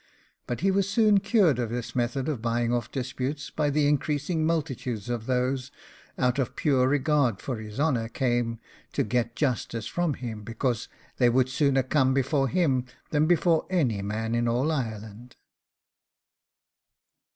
But he was soon cured of this method of buying off disputes, by the increasing multitude of those who, out of pure regard to his honour, came 'to get justice from him, because they would sooner come before him than before any man in all Ireland.